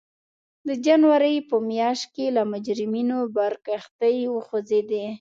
د جنورۍ په میاشت کې له مجرمینو بار کښتۍ وخوځېدې.